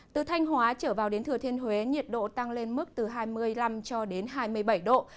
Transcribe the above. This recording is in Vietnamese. từ thanh hóa trở vào đến thừa thiên huế nhiệt độ tăng lên mức từ hai mươi năm cho đến hai mươi bảy độ